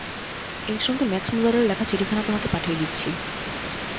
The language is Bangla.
এইসঙ্গে ম্যাক্সমূলারের লেখা চিঠিখানা তোমাকে পাঠিয়ে দিচ্ছি।